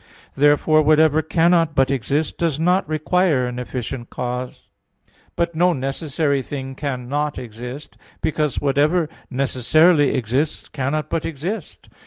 Therefore whatever cannot but exist does not require an efficient cause. But no necessary thing can not exist, because whatever necessarily exists cannot but exist.